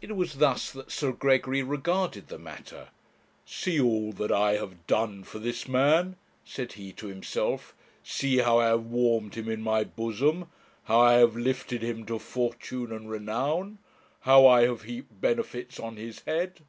It was thus that Sir Gregory regarded the matter. 'See all that I have done for this man,' said he to himself; 'see how I have warmed him in my bosom, how I have lifted him to fortune and renown, how I have heaped benefits on his head!